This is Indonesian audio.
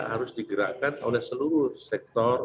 harus digerakkan oleh seluruh sektor